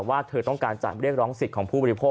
และร้องศิษย์ของผู้บริโภค